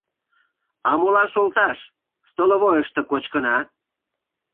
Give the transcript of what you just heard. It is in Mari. — А молан шолташ, столовойышто кочкына.